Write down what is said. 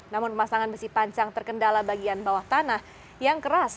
namun pemasangan besi panjang terkendala bagian bawah tanah yang keras